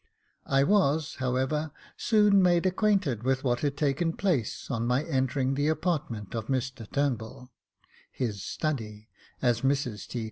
I was, however, soon made acquainted with what had taken place, on my entering the apartment of Mr Turnbull, — his study, as Mrs T.